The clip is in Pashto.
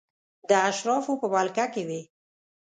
د اشرافو په ولکه کې وې.